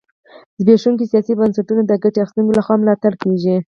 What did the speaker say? زبېښونکي سیاسي بنسټونه د ګټه اخیستونکو لخوا ملاتړ کېږي.